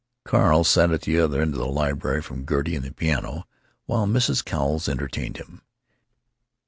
Carl sat at the other end of the library from Gertie and the piano, while Mrs. Cowles entertained him.